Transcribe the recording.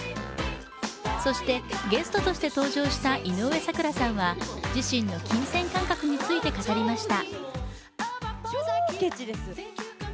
そしてゲストとして登場した井上咲楽さんは自身の金銭感覚について語りました。